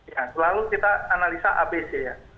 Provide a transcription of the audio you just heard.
ya selalu kita analisa abc ya